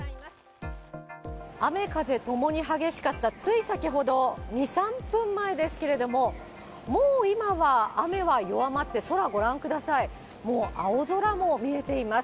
雨風ともに激しかったつい先ほど、２、３分前ですけれども、もう今は雨は弱まって、空、ご覧ください、もう青空も見えています。